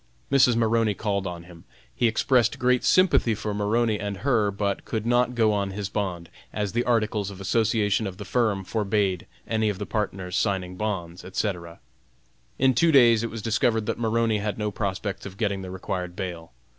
Mrs. Maroney called on him; he expressed great sympathy for Maroney and her, but could not go on his bond, as the articles of association of the firm forbade any of the partners signing bonds, etc. In two days it was discovered that Maroney had no prospects of getting the required bail.